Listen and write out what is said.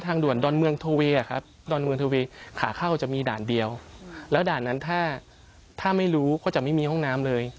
ถ้าไม่รู้ก็จะไม่มีห้องน้ำเลย